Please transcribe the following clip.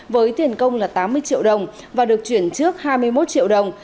với tiền công là tám mươi triệu đồng và được chuyển trước hai mươi một triệu đồng